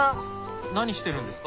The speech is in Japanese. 何してるんですか？